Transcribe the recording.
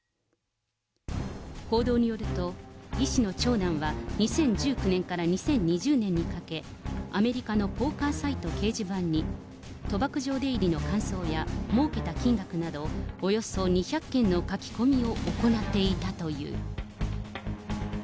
報道によると、イ氏の長男は２０１９年から２０２０年にかけ、アメリカのポーカーサイト掲示板に、賭博場出入りの感想や、もうけた金額など、およそ２００件の書き込みを行っていたという。